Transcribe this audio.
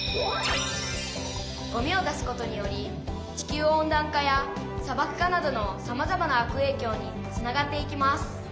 「ゴミを出すことにより地球温暖化やさばく化などのさまざまな悪影響につながっていきます」。